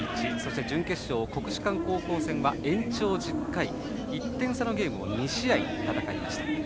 準決勝、国士舘高校戦は延長１０回、１点差のゲームを２試合戦いました。